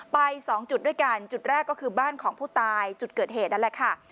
สองจุดด้วยกันจุดแรกก็คือบ้านของผู้ตายจุดเกิดเหตุนั่นแหละค่ะ